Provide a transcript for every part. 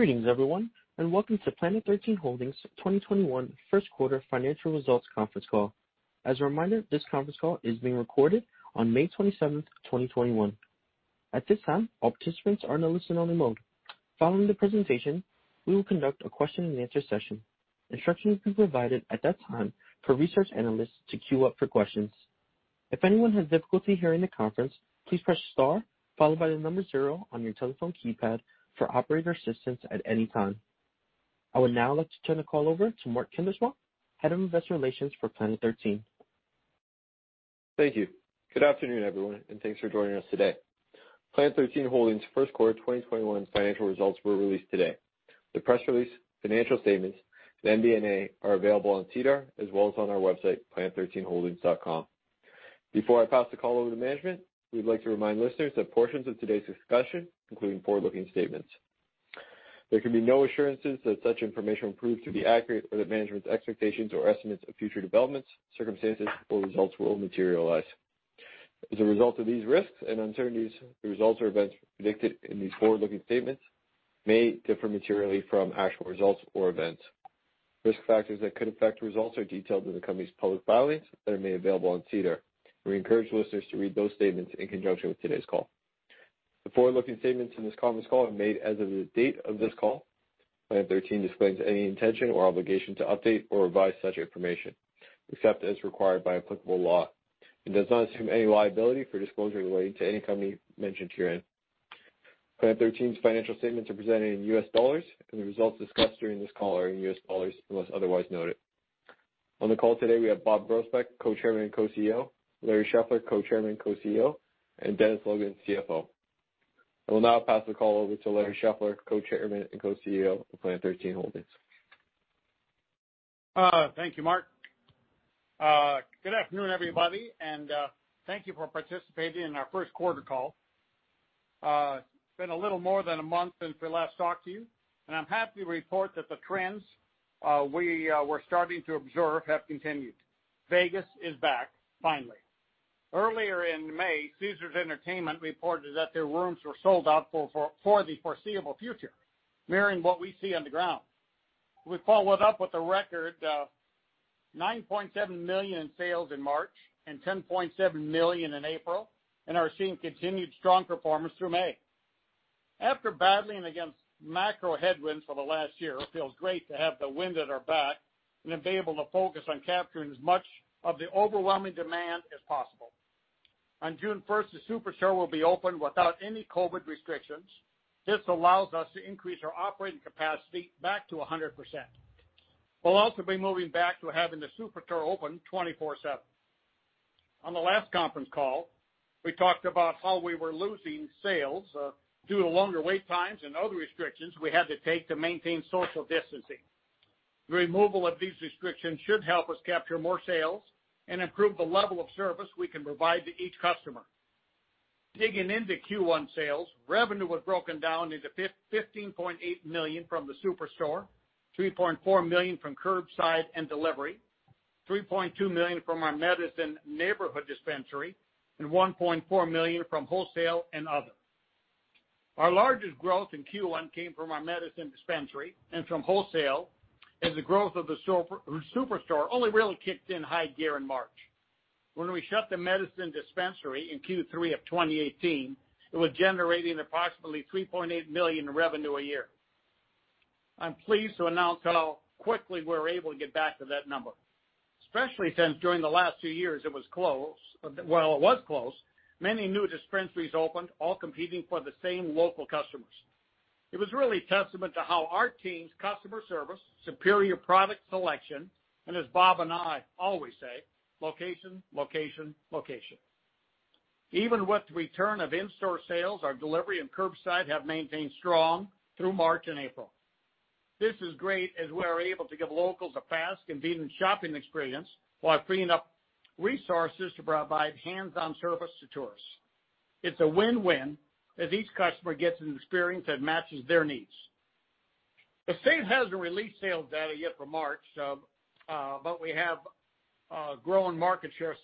Greetings everyone, and welcome to Planet 13 Holdings' 2021 first quarter financial results conference call. As a reminder, this conference call is being recorded on May 27th, 2021. Following the presentation, we will conduct a question and answer session. Instructions will be provided at that time for research analysts to queue up for questions. If anyone has difficulty hearing the conference, please press star followed by the number zero on your telephone keypad for operator assistance at any time. I would now like to turn the call over to Mark Kuindersma, Head of Investor Relations for Planet 13. Thank you. Good afternoon, everyone, and thanks for joining us today. Planet 13 Holdings' first quarter 2021 financial results were released today. The press release, financial statements, and MD&A are available on SEDAR as well as on our website, planet13holdings.com. Before I pass the call over to management, we'd like to remind listeners that portions of today's discussion include forward-looking statements. There can be no assurances that such information will prove to be accurate or that management's expectations or estimates of future developments, circumstances, or results will materialize. As a result of these risks and uncertainties, the results or events predicted in these forward-looking statements may differ materially from actual results or events. Risk factors that could affect results are detailed in the company's public filings that may be available on SEDAR. We encourage listeners to read those statements in conjunction with today's call. The forward-looking statements in this conference call are made as of the date of this call. Planet 13 disclaims any intention or obligation to update or revise such information, except as required by applicable law, and does not assume any liability for disclosures relating to any company mentioned herein. Planet 13's financial statements are presented in U.S. dollars, and the results discussed during this call are in U.S. dollars, unless otherwise noted. On the call today, we have Bob Groesbeck, Co-Chairman and Co-CEO, Larry Scheffler, Co-Chairman and Co-CEO, and Dennis Logan, CFO. I will now pass the call over to Larry Scheffler, Co-Chairman and Co-CEO of Planet 13 Holdings. Thank you, Mark. Good afternoon, everybody, and thank you for participating in our first quarter call. It's been a little more than a month since we last talked to you, and I'm happy to report that the trends we were starting to observe have continued. Vegas is back, finally. Earlier in May, Caesars Entertainment reported that their rooms were sold out for the foreseeable future, mirroring what we see on the ground. We followed up with a record $9.7 million in sales in March and $10.7 million in April, and are seeing continued strong performance through May. After battling against macro headwinds for the last year, it feels great to have the wind at our back and to be able to focus on capturing as much of the overwhelming demand as possible. On June 1st, the SuperStore will be open without any COVID restrictions. This allows us to increase our operating capacity back to 100%. We'll also be moving back to having the SuperStore open 24/7. On the last conference call, we talked about how we were losing sales due to longer wait times and other restrictions we had to take to maintain social distancing. The removal of these restrictions should help us capture more sales and improve the level of service we can provide to each customer. Digging into Q1 sales, revenue was broken down into $15.8 million from the SuperStore, $3.4 million from curbside and delivery, $3.2 million from our Medizin neighborhood dispensary, and $1.4 million from wholesale and other. Our largest growth in Q1 came from our Medizin dispensary and from wholesale, as the growth of the SuperStore only really kicked in high gear in March. When we shut the Medizin dispensary in Q3 of 2018, it was generating approximately $3.8 million in revenue a year. I'm pleased to announce how quickly we were able to get back to that number, especially since during the last two years it was closed, many new dispensaries opened, all competing for the same local customers. It was really a testament to how our team's customer service, superior product selection, and as Bob and I always say, location, location. Even with the return of in-store sales, our delivery and curbside have maintained strong through March and April. This is great as we are able to give locals a fast, convenient shopping experience while freeing up resources to provide hands-on service to tourists. It's a win-win, as each customer gets an experience that matches their needs. The state hasn't released sales data yet for March, but we have grown market share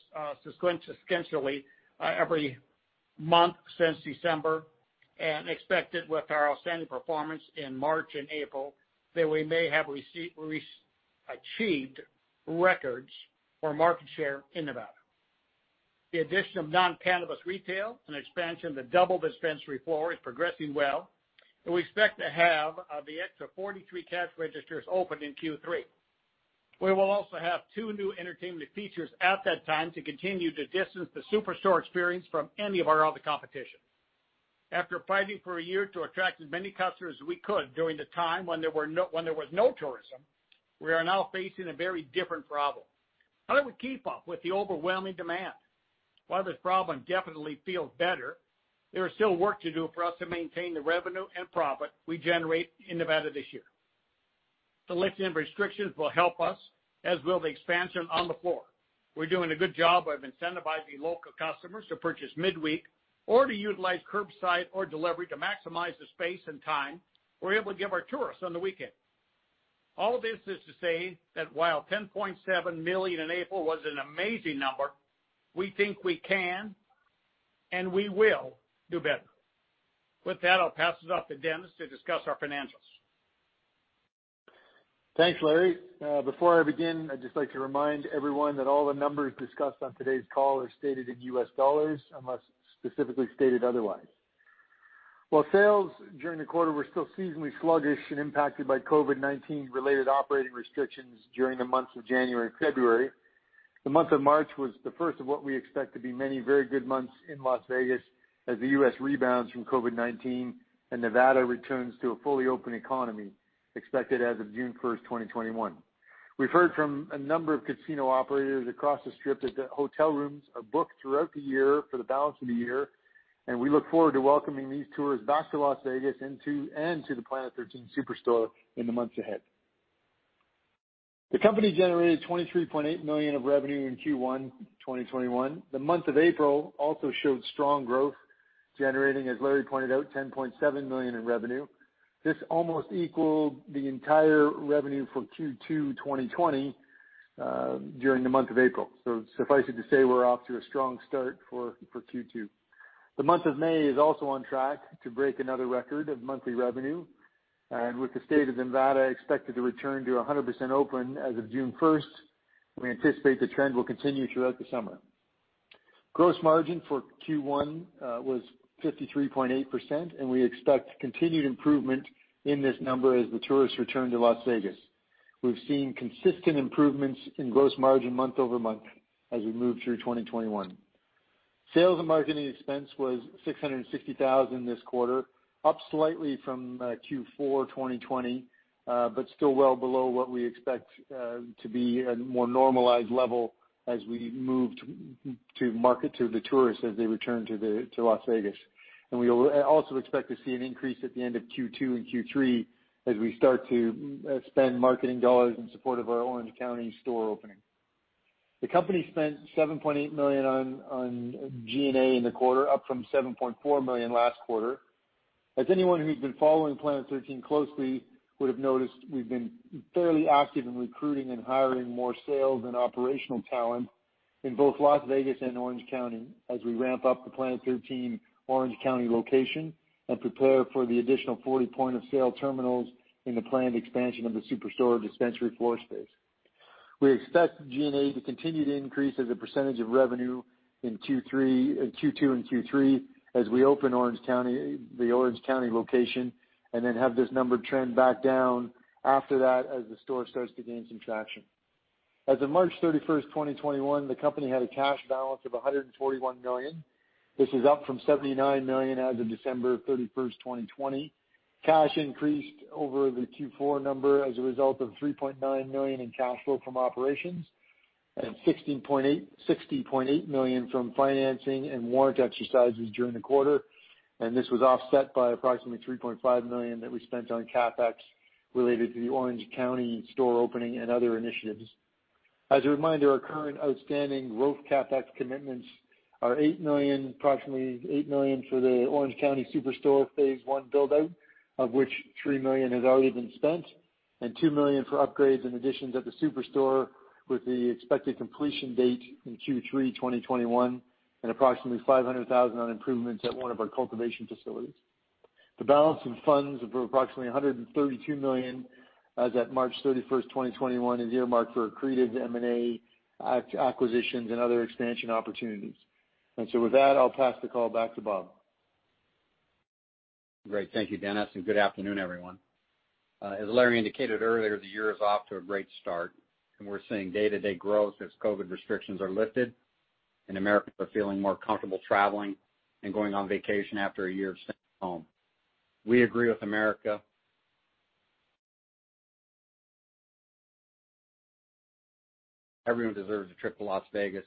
substantially every month since December, and expect it with our outstanding performance in March and April that we may have at least achieved records for market share in Nevada. The addition of non-cannabis retail and expansion of the double dispensary floor is progressing well, and we expect to have the extra 43 cash registers open in Q3. We will also have two new entertainment features at that time to continue to distance the SuperStore experience from any of our other competition. After fighting for a year to attract as many customers as we could during the time when there was no tourism, we are now facing a very different problem. How do we keep up with the overwhelming demand? While this problem definitely feels better, there is still work to do for us to maintain the revenue and profit we generate in Nevada this year. The lifting of restrictions will help us, as will the expansion on the floor. We're doing a good job of incentivizing local customers to purchase midweek or to utilize curbside or delivery to maximize the space and time we're able to give our tourists on the weekend. All this is to say that while $10.7 million in April was an amazing number, we think we can, and we will do better. With that, I'll pass it off to Dennis to discuss our financials. Thanks, Larry. Before I begin, I'd just like to remind everyone that all the numbers discussed on today's call are stated in U.S. dollars, unless specifically stated otherwise. While sales during the quarter were still seasonally sluggish and impacted by COVID-19 related operating restrictions during the months of January and February, the month of March was the first of what we expect to be many very good months in Las Vegas as the U.S. rebounds from COVID-19 and Nevada returns to a fully open economy expected as of June 1st, 2021. We've heard from a number of casino operators across the Strip that hotel rooms are booked throughout the year for the balance of the year. We look forward to welcoming these tourists back to Las Vegas and to the Planet 13 SuperStore in the months ahead. The company generated $23.8 million of revenue in Q1 2021. The month of April also showed strong growth, generating, as Larry pointed out, $10.7 million in revenue. This almost equaled the entire revenue for Q2 2020 during the month of April. Suffice it to say, we're off to a strong start for Q2. The month of May is also on track to break another record of monthly revenue, and with the state of Nevada expected to return to 100% open as of June 1st, we anticipate the trend will continue throughout the summer. Gross margin for Q1 was 53.8%, and we expect continued improvement in this number as the tourists return to Las Vegas. We've seen consistent improvements in gross margin month-over-month as we move through 2021. Sales and marketing expense was $660,000 this quarter, up slightly from Q4 2020 but still well below what we expect to be a more normalized level as we move to market to the tourists as they return to Las Vegas. We also expect to see an increase at the end of Q2 and Q3 as we start to spend marketing dollars in support of our Orange County store opening. The company spent $7.8 million on G&A in the quarter, up from $7.4 million last quarter. As anyone who's been following Planet 13 closely would have noticed, we've been fairly active in recruiting and hiring more sales and operational talent in both Las Vegas and Orange County as we ramp up the Planet 13 Orange County location and prepare for the additional 40 point of sale terminals in the planned expansion of the SuperStore dispensary floor space. We expect G&A to continue to increase as a percentage of revenue in Q2 and Q3 as we open the Orange County location and then have this number trend back down after that as the store starts to gain some traction. As of March 31st, 2021, the company had a cash balance of $141 million. This is up from $79 million as of December 31st, 2020. Cash increased over the Q4 number as a result of $3.9 million in cash flow from operations and $61.8 million from financing and warrant exercises during the quarter, and this was offset by approximately $3.5 million that we spent on CapEx related to the Orange County store opening and other initiatives. As a reminder, our current outstanding growth CapEx commitments are approximately $8 million for the Orange County SuperStore phase 1 build-out, of which $3 million has already been spent, and $2 million for upgrades and additions at the SuperStore, with the expected completion date in Q3 2021, and approximately $500,000 on improvements at one of our cultivation facilities. The balance in funds of approximately $132 million as at March 31st, 2021, is earmarked for accretive M&A acquisitions and other expansion opportunities. With that, I'll pass the call back to Bob Groesbeck. Great. Thank you, Dennis, and good afternoon, everyone. As Larry indicated earlier, the year is off to a great start, and we are seeing day-to-day growth as COVID-19 restrictions are lifted and Americans are feeling more comfortable traveling and going on vacation after a year of staying home. We agree with America. Everyone deserves a trip to Las Vegas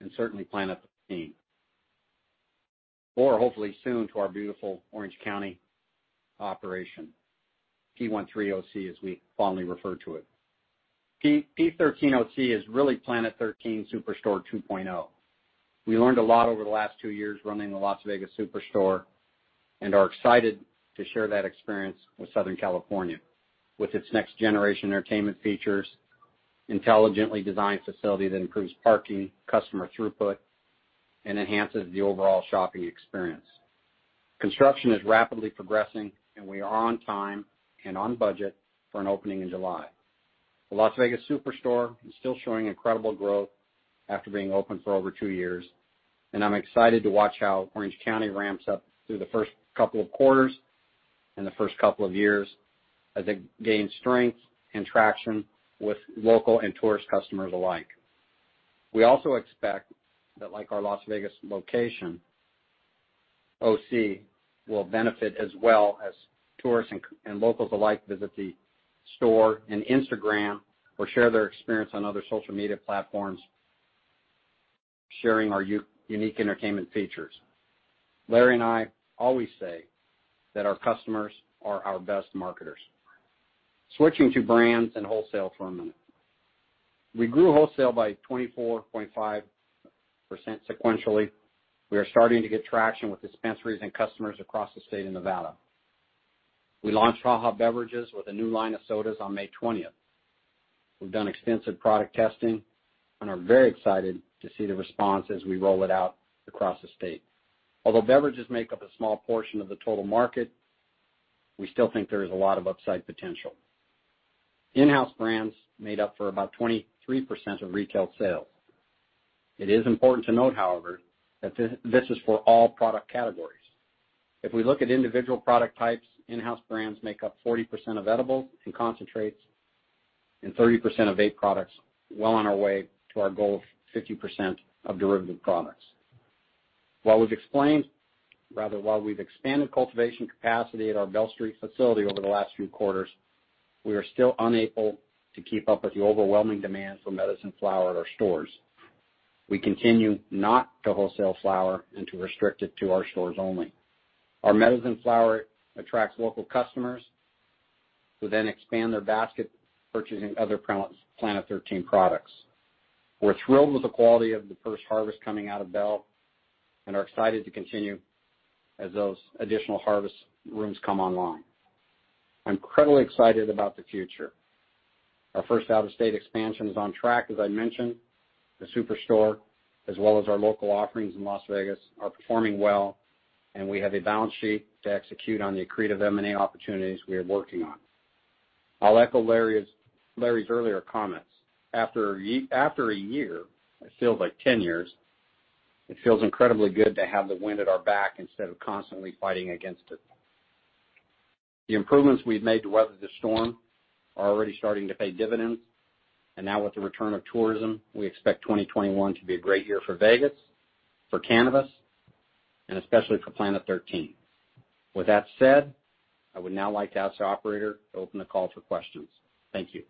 and certainly Planet 13, or hopefully soon to our beautiful Orange County operation, P13OC, as we fondly refer to it. P13OC is really Planet 13 SuperStore 2.0. We learned a lot over the last two years running the Las Vegas SuperStore and are excited to share that experience with Southern California, with its next generation entertainment features, intelligently designed facility that includes parking, customer throughput, and enhances the overall shopping experience. Construction is rapidly progressing. We are on time and on budget for an opening in July. The Las Vegas SuperStore is still showing incredible growth after being open for over two years. I'm excited to watch how Orange County ramps up through the first couple of quarters and the first couple of years as it gains strength and traction with local and tourist customers alike. We also expect that like our Las Vegas location, OC will benefit as well as tourists and locals alike visit the store and Instagram or share their experience on other social media platforms sharing our unique entertainment features. Larry and I always say that our customers are our best marketers. Switching to brands and wholesale for a minute. We grew wholesale by 24.5% sequentially. We are starting to get traction with dispensaries and customers across the state of Nevada. We launched HaHa Beverages with a new line of sodas on May 20th. We've done extensive product testing and are very excited to see the response as we roll it out across the state. Although beverages make up a small portion of the total market, we still think there is a lot of upside potential. In-house brands made up for about 23% of retail sales. It is important to note, however, that this is for all product categories. If we look at individual product types, in-house brands make up 40% of edibles and concentrates, and 30% of vape products, well on our way to our goal of 50% of derivative products. While we've expanded cultivation capacity at our Bell Street facility over the last few quarters, we are still unable to keep up with the overwhelming demand for Medizin flower at our stores. We continue not to wholesale flower and to restrict it to our stores only. Our Medizin flower attracts local customers who then expand their basket purchasing other Planet 13 products. We're thrilled with the quality of the first harvest coming out of Bell and are excited to continue as those additional harvest rooms come online. Incredibly excited about the future. Our first out-of-state expansion is on track, as I mentioned. The SuperStore, as well as our local offerings in Las Vegas, are performing well, and we have a balance sheet to execute on the accretive M&A opportunities we are working on. I'll echo Larry's earlier comments. After a year, it feels like 10 years. It feels incredibly good to have the wind at our back instead of constantly fighting against it. The improvements we've made to weather the storm are already starting to pay dividends, now with the return of tourism, we expect 2021 to be a great year for Vegas, for cannabis, and especially for Planet 13. With that said, I would now like to ask the operator to open the call for questions. Thank you.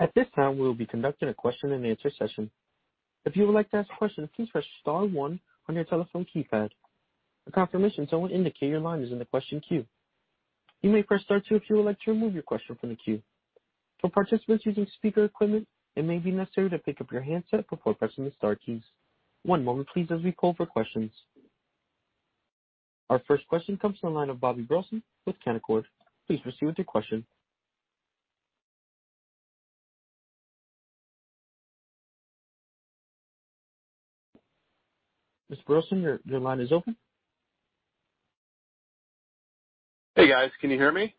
At this time, we will be conducting a question and answer session. If you like to ask question press star one on your telephone keypad. A confirmation shows on the indicator line is on the question qeue. You may press star two if you like to remove your question from the qeue. One moment please as we call for questions. Our first question comes from the line of Bobby Burleson with Canaccord. Please proceed with your question. Ms. Burleson, your line is open. Hey, guys. Can you hear me?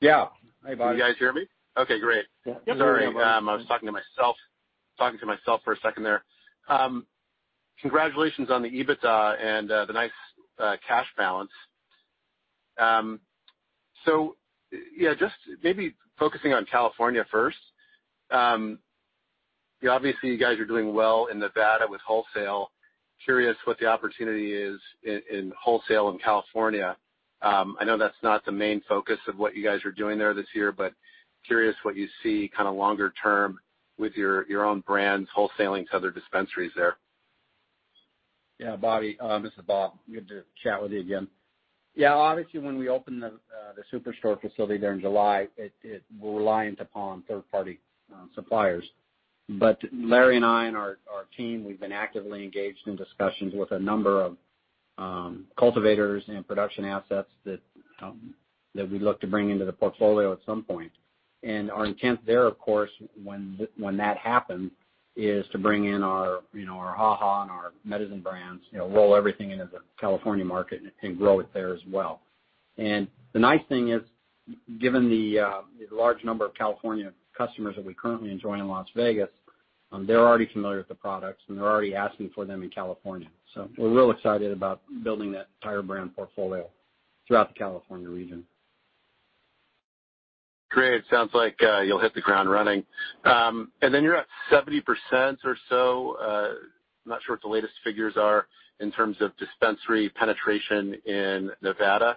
Yeah. Hi, Bobby. Can you guys hear me? Okay, great. Yeah. Sorry. I was talking to myself for a second there. Congratulations on the EBITDA and the nice cash balance. Yeah, just maybe focusing on California first. Obviously, you guys are doing well in Nevada with wholesale. Curious what the opportunity is in wholesale in California. I know that's not the main focus of what you guys are doing there this year, but curious what you see longer term with your own brands wholesaling to other dispensaries there. Bobby, this is Bob. Good to chat with you again. Obviously, when we opened the SuperStore facility there in July, it was reliant upon third-party suppliers. Larry and I and our team, we've been actively engaged in discussions with a number of cultivators and production assets that we'd look to bring into the portfolio at some point. Our intent there, of course, when that happens, is to bring in our HaHa and our Medizin brands, roll everything into the California market, and grow it there as well. The nice thing is, given the large number of California customers that we currently enjoy in Las Vegas, they're already familiar with the products, and they're already asking for them in California. We're real excited about building that entire brand portfolio throughout the California region. Great. Sounds like you'll hit the ground running. Then you're at 70% or so, not sure what the latest figures are, in terms of dispensary penetration in Nevada.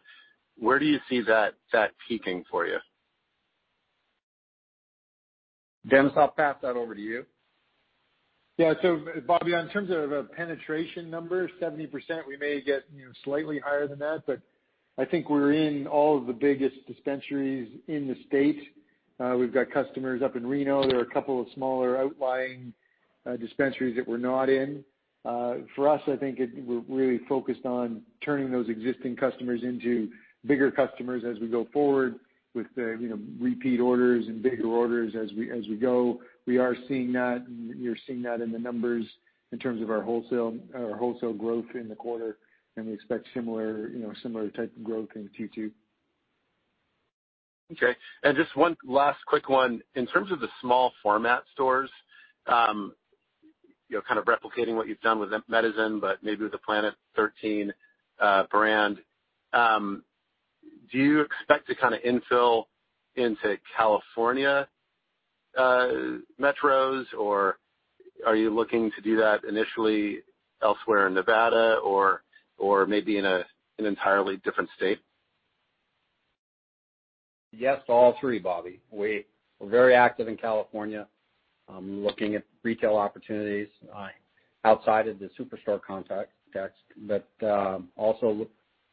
Where do you see that peaking for you? Dennis, I'll pass that over to you. Yeah. Bobby, in terms of penetration numbers, 70%, we may get slightly higher than that, but I think we're in all of the biggest dispensaries in the state. We've got customers up in Reno. There are a couple of smaller outlying dispensaries that we're not in. For us, I think we're really focused on turning those existing customers into bigger customers as we go forward with the repeat orders and bigger orders as we go. We are seeing that, you're seeing that in the numbers in terms of our wholesale growth in the quarter, we expect similar type of growth in Q2. Okay. Just one last quick one. In terms of the small format stores, kind of replicating what you've done with Medizin, but maybe with the Planet 13 brand, do you expect to kind of infill into California metros, or are you looking to do that initially elsewhere in Nevada or maybe in an entirely different state? Yes to all three, Bobby. We're very active in California. I'm looking at retail opportunities outside of the SuperStore context, but also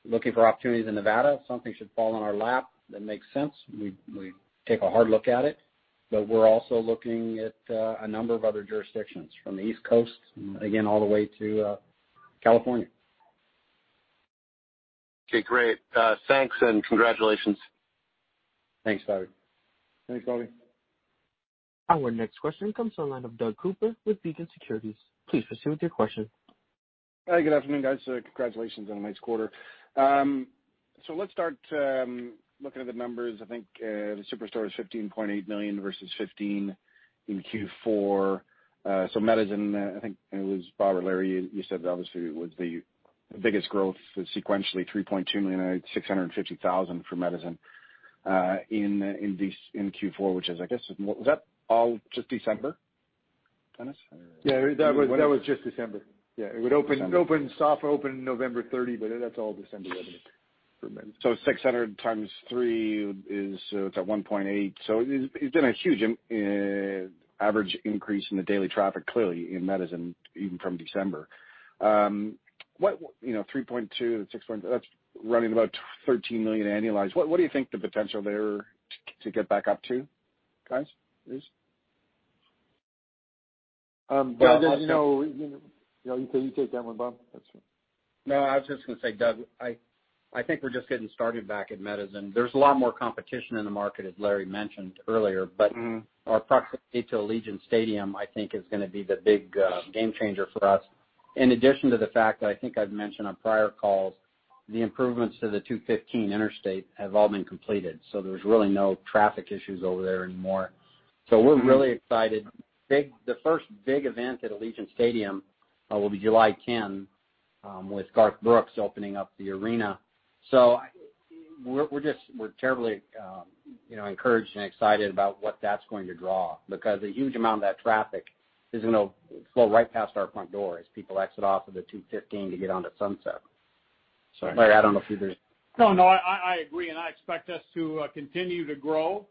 looking for opportunities in Nevada. If something should fall in our lap that makes sense, we'd take a hard look at it. We're also looking at a number of other jurisdictions from the East Coast, and again, all the way to California. Okay, great. Thanks and congratulations. Thanks, Bobby. Our next question comes from the line of Doug Cooper with Beacon Securities. Please proceed with your question. Good afternoon, guys. Congratulations on a nice quarter. Let's start looking at the numbers. I think the SuperStore is $15.8 million versus $15 million in Q4. Medizin, I think it was Bob or Larry, you said obviously it was the biggest growth sequentially, $3.2 million out of $650,000 for Medizin in Q4, which I guess, was that all just December, Dennis? Yeah, that was just December. Yeah. It would soft open November 30, but that's all December revenue for Medizin. $600 x 3 is, it's at $1.8. It's been a huge average increase in the daily traffic, clearly, in Medizin, even from December. $3.2, $6.0, that's running about $13 million annualized. What do you think the potential there to get back up to, guys, is? Doug. Yeah, you take that one, Bob. No, I was just going to say, Doug, I think we're just getting started back at Medizin. There's a lot more competition in the market, as Larry mentioned earlier, but our proximity to Allegiant Stadium I think is going to be the big game changer for us. In addition to the fact that I think I've mentioned on prior calls, the improvements to the 215 interstate have all been completed, so there's really no traffic issues over there anymore. So we're really excited. The first big event at Allegiant Stadium will be July 10 with Garth Brooks opening up the arena. So we're terribly encouraged and excited about what that's going to draw, because a huge amount of that traffic is going to flow right past our front door as people exit off of the 215 to get onto Sunset. Larry, I don't know if you have anything- No, I agree. I expect us to continue to grow.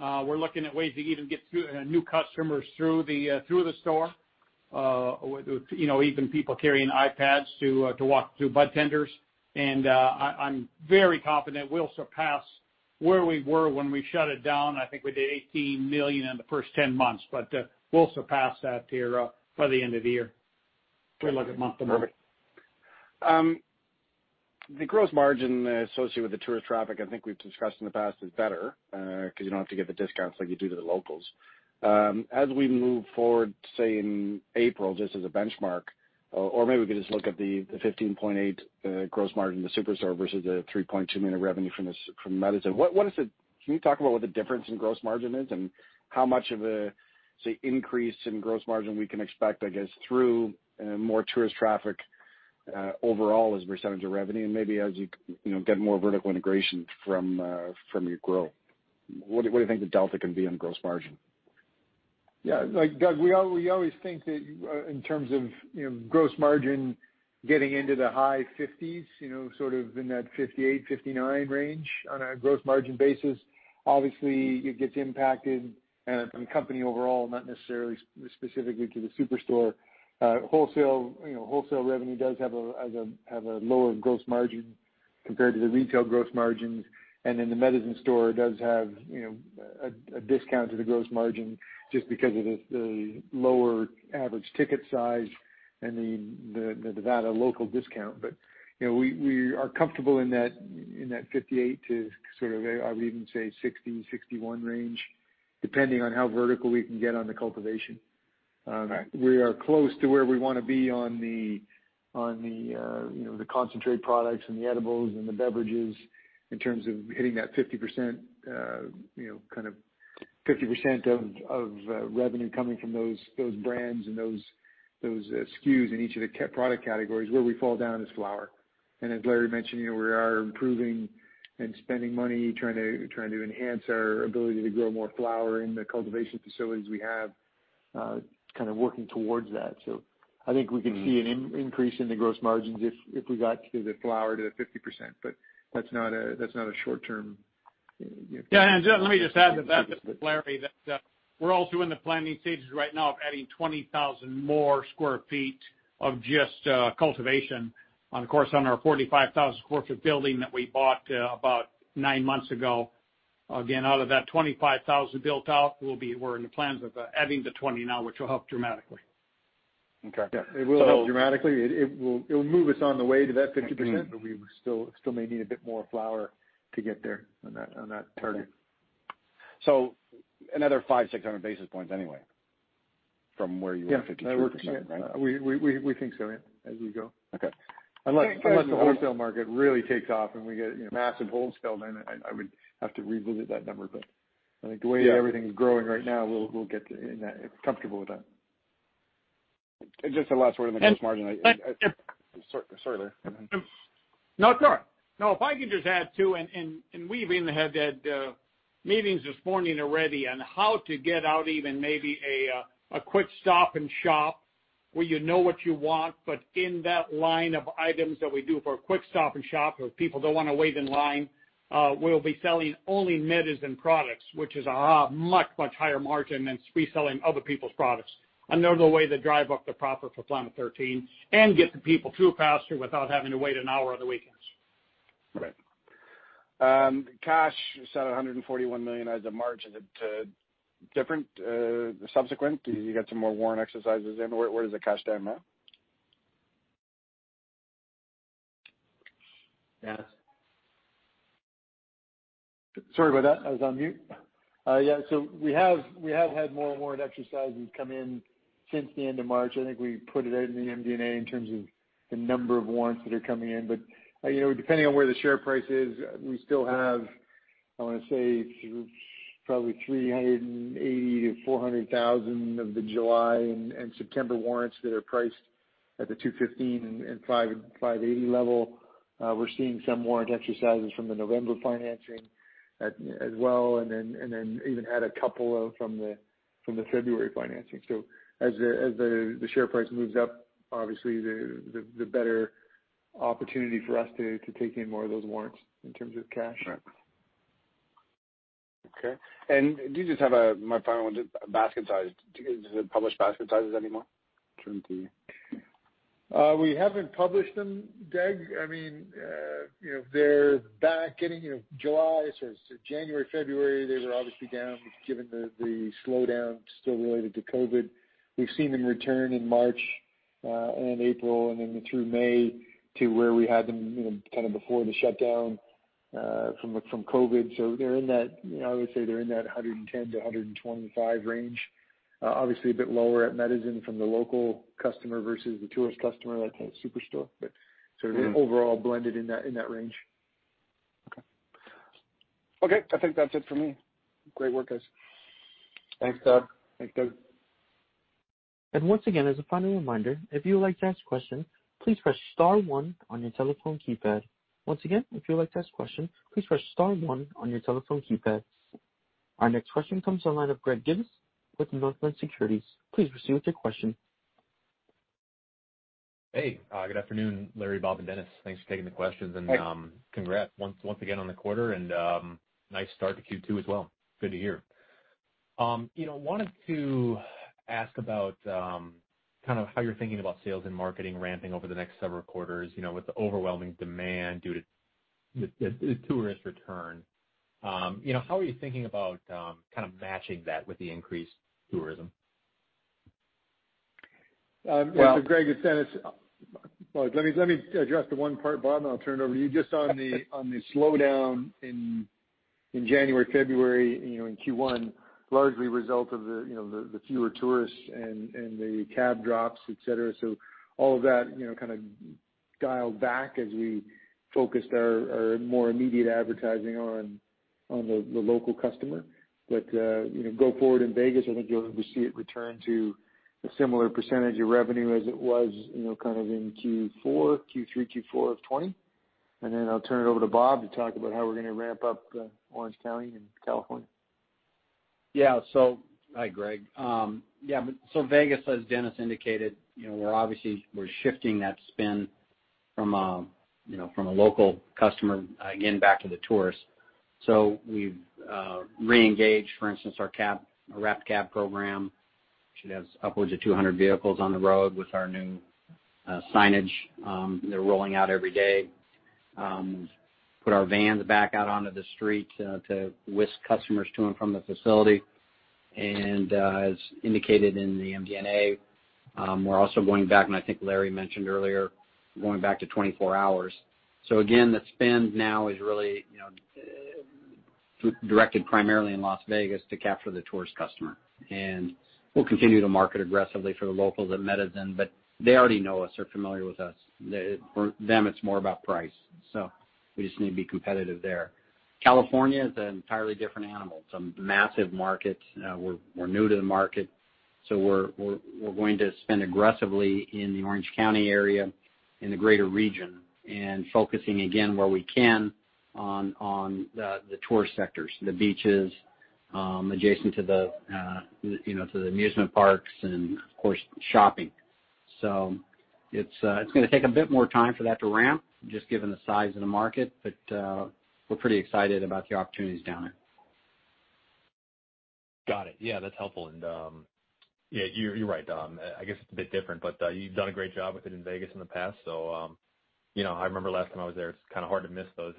We're looking at ways to even get new customers through the store. Even people carrying iPads to walk through budtenders. I'm very confident we'll surpass where we were when we shut it down. I think we did $18 million in the first 10 months. We'll surpass that here by the end of the year. We look at month-to-month. The gross margin associated with the tourist traffic, I think we've discussed in the past, is better, because you don't have to give the discounts like you do to the locals. As we move forward, say, in April, just as a benchmark, or maybe we can just look at the 15.8% gross margin of the SuperStore versus the $3.2 million in revenue from Medizin. Can you talk about what the difference in gross margin is, and how much of an increase in gross margin we can expect through more tourist traffic overall as a percentage of revenue? Maybe as you get more vertical integration from your grow. What do you think the delta can be on gross margin? Yeah. Doug, we always think that in terms of gross margin getting into the high 50s, sort of in that 58-59 range on a gross margin basis. Obviously, it gets impacted from the company overall, not necessarily specifically to the SuperStore. Wholesale revenue does have a lower gross margin compared to the retail gross margins. The Medizin dispensary does have a discount to the gross margin just because of the lower average ticket size and the Nevada local discount. We are comfortable in that 58 to sort of even, say, 60-61 range, depending on how vertical we can get on the cultivation. We are close to where we want to be on the concentrate products and the edibles and the beverages in terms of hitting that 50% of revenue coming from those brands and those SKUs in each of the product categories. Where we fall down is flower. As Larry mentioned, we are improving and spending money trying to enhance our ability to grow more flower in the cultivation facilities we have, kind of working towards that. I think we could see an increase in the gross margins if we got the flower to 50%, but that's not a short term- Just let me just add to that, It's Larry, that we're also in the planning stages right now of adding 20,000 more sq ft of just cultivation. Of course, on our 45,000 sq ft building that we bought about nine months ago, again, out of that 25,000 built out, we're in the plans of adding the 20 now, which will help dramatically. Okay. It will help dramatically. It will move us on the way to that 50%, but we still may need a bit more flower to get there on that target. Another five, 600 basis points anyway from where you are to get to 50%, right? Yeah. We think so, as we go. Okay. Unless the wholesale market really takes off and we get massive wholesale, then I would have to re-look at that number. The way everything's growing right now, we're comfortable with that. Just the last word on the gross margin. Sorry, Larry. No, it's all right. No, if I could just add, too, we even have had meetings this morning already on how to get out even maybe a quick stop and shop. Where you know what you want, but in that line of items that we do for a quick stop and shop, where people don't want to wait in line, we'll be selling only Medizin products, which is a much, much higher margin than reselling other people's products. There's a way to drive up the profit for Planet 13 and get the people through faster without having to wait an hour on the weekends. Great. Cash is at $141 million as of March. Is it different subsequent? Did you get some more warrant exercises in? Where does the cash stand now? Yeah. Sorry about that. I was on mute. Yeah, we have had more and more warrant exercises come in since the end of March. I think we put it in the MD&A in terms of the number of warrants that are coming in. Depending on where the share price is, we still have, I want to say, probably 380,000 to 400,000 of the July and September warrants that are priced at the $2.15 and $5.80 level. We're seeing some warrant exercises from the November financing as well, and then even had a couple from the February financing. As the share price moves up, obviously the better opportunity for us to take in more of those warrants in terms of cash. Right. Okay. Do you just have a, my final one, just basket sizes. Do you guys publish basket sizes anymore? We haven't published them, Doug. They're back in July. January, February, they were obviously down given the slowdown still related to COVID-19. We've seen them return in March and April and then through May to where we had them kind of before the shutdown from COVID-19. I would say they're in that $110-$125 range. Obviously a bit lower at Medizin from the local customer versus the tourist customer, like at Superstore, but they're overall blended in that range. Okay. I think that's it for me. Great work, guys. Thanks, Doug. Thanks, Doug. Once again, as a final reminder, if you would like to ask a question, please press star one on your telephone keypad. Once again, if you would like to ask question, please press star one on your telephone keypad. Our next question comes on the line of Greg Gibas with Northland Securities. Please proceed with your question. Hey, good afternoon, Larry, Bob, and Dennis. Thanks for taking the questions. Hi. Congrats once again on the quarter and nice start to Q2 as well. Good to hear. Wanted to ask about how you're thinking about sales and marketing ramping over the next several quarters, with the overwhelming demand due to the tourist return. How are you thinking about kind of matching that with the increased tourism? Well, Dennis, let me address the one part, Bob. I'll turn it over to you just on the slowdown in January, February, in Q1, largely a result of the fewer tourists and the cab drops, et cetera. All of that kind of dialed back as we focused our more immediate advertising on the local customer. Go forward in Vegas, I think you'll see it return to a similar percentage of revenue as it was in Q3, Q4 of 2020. I'll turn it over to Bob to talk about how we're going to ramp up Orange County and California. Yeah. Hi, Greg. Yeah, Vegas, as Dennis indicated, we're obviously shifting that spend from a local customer, again, back to the tourists. We've re-engaged, for instance, our wrap cab program, which has upwards of 200 vehicles on the road with our new signage that are rolling out every day. Put our vans back out onto the street to whisk customers to and from the facility. As indicated in the MD&A, we're also going back, and I think Larry mentioned earlier, going back to 24 hours. Again, the spend now is really directed primarily in Las Vegas to capture the tourist customer. We'll continue to market aggressively to the locals at Medizin, but they already know us. They're familiar with us. For them, it's more about price. We just need to be competitive there. California is an entirely different animal. It's a massive market. We're new to the market, we're going to spend aggressively in the Orange County area, in the greater region, and focusing again, where we can, on the tourist sectors, the beaches adjacent to the amusement parks and of course, shopping. It's going to take a bit more time for that to ramp, just given the size of the market, but we're pretty excited about the opportunities down there. Got it. Yeah, that's helpful. Yeah, you're right. I guess a bit different, but you've done a great job with it in Vegas in the past. I remember last time I was there, it's kind of hard to miss those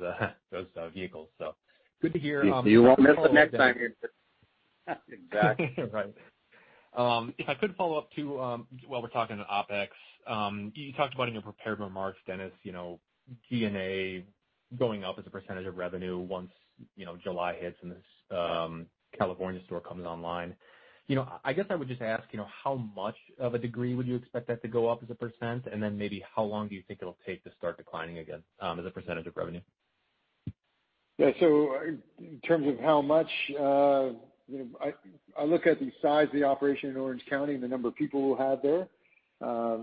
vehicles, so good to hear. You won't miss it next time. Exactly right. If I could follow up too, while we're talking to OpEx, you talked about in your prepared remarks, Dennis, G&A going up as a percent of revenue once July hits and this California store comes online. I guess I would just ask, how much of a degree would you expect that to go up as a percent? Then maybe how long do you think it'll take to start declining again as a percent of revenue? Yeah. In terms of how much, I look at the size of the operation in Orange County and the number of people we'll have there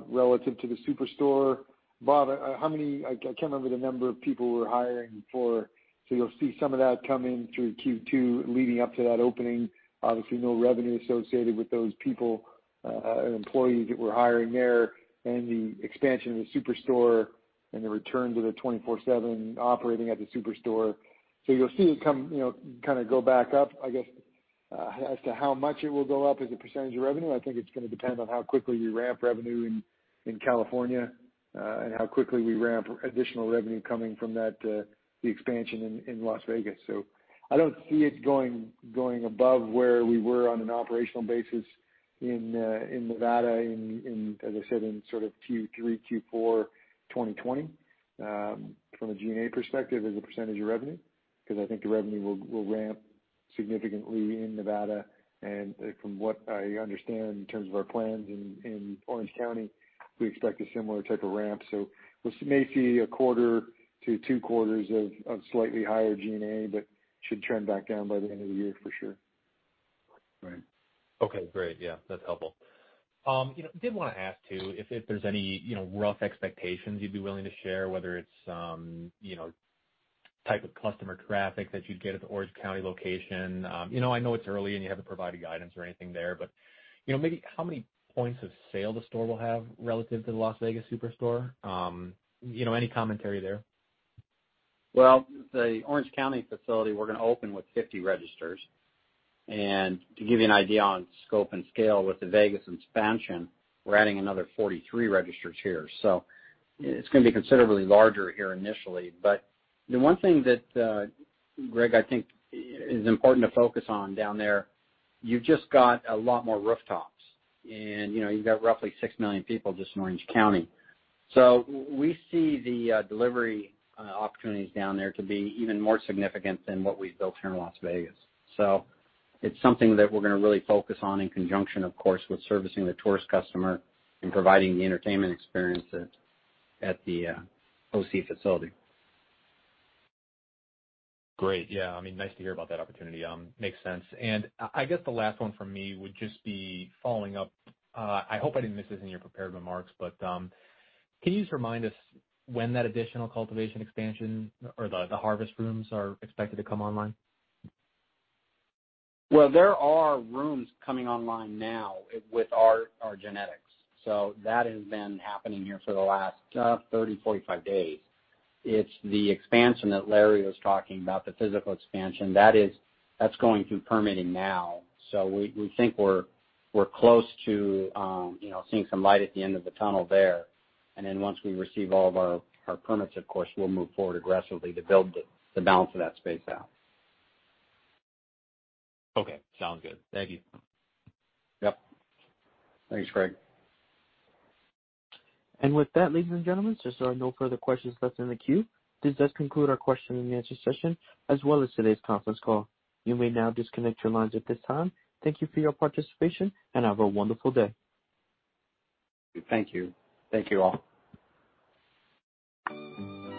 relative to the SuperStore. Bob, I can't remember the number of people we're hiring for. You'll see some of that come in through Q2 leading up to that opening. Obviously, no revenue associated with those people, employees that we're hiring there and the expansion of the SuperStore The returns of the 24/7 operating at the SuperStore. You'll see it go back up. I guess as to how much it will go up as a percent of revenue, I think it's going to depend on how quickly we ramp revenue in California and how quickly we ramp additional revenue coming from the expansion in Las Vegas. I don't see it going above where we were on an operational basis in Nevada in, as I said, in sort of Q3, Q4 2020 from a G&A perspective as a percent of revenue, because I think the revenue will ramp significantly in Nevada. From what I understand in terms of our plans in Orange County, we expect a similar type of ramp. This may be a quarter to two quarters of slightly higher G&A, but should trend back down by the end of the year for sure. Great. Okay, great. Yeah, that's helpful. I did want to ask too, if there's any rough expectations you'd be willing to share, whether it's type of customer traffic that you'd get at the Orange County location. I know it's early and you haven't provided guidance or anything there, but how many points of sale the store will have relative to the Las Vegas SuperStore? Any commentary there? Well, the Orange County facility, we're going to open with 50 registers. To give you an idea on scope and scale with the Vegas expansion, we're adding another 43 registers here. It's going to be considerably larger here initially. The one thing that, Greg, I think is important to focus on down there, you've just got a lot more rooftops and you've got roughly six million people just in Orange County. We see the delivery opportunities down there to be even more significant than what we've built here in Las Vegas. It's something that we're going to really focus on in conjunction, of course, with servicing the tourist customer and providing the entertainment experience at the OC facility. Great. Yeah. Nice to hear about that opportunity. Makes sense. I guess the last one from me would just be following up. I hope I didn't miss this in your prepared remarks, but can you just remind us when that additional cultivation expansion or the harvest rooms are expected to come online? Well, there are rooms coming online now with our genetics. That has been happening here for the last 30, 45 days. It's the expansion that Larry was talking about, the physical expansion that's going through permitting now. We think we're close to seeing some light at the end of the tunnel there. Once we receive all of our permits, of course, we'll move forward aggressively to build the balance of that space out. Okay, sounds good. Thank you. Yep. Thanks, Greg. With that, ladies and gentlemen, there are no further questions left in the queue. This does conclude our question and answer session as well as today's conference call. You may now disconnect your lines at this time. Thank you for your participation and have a wonderful day. Thank you. Thank you all.